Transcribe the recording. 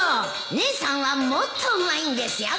姉さんはもっとうまいんですよ